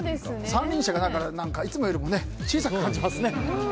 三輪車がいつもより小さく感じますね。